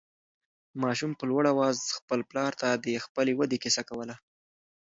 ماشوم په لوړ اواز خپل پلار ته د خپلې ودې قصه کوله.